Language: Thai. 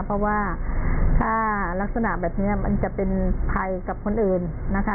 เพราะว่าถ้ารักษณะแบบนี้มันจะเป็นภัยกับคนอื่นนะคะ